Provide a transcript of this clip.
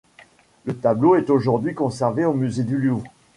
Le tableau est aujourd'hui conservé au Musée du Louvre.